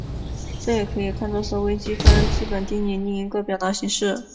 这也可以看作是微积分基本定理另一个表达形式。